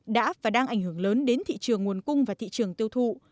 đã và đang ảnh hưởng lớn đến thị trường nguồn cung và thị trường tiêu thụ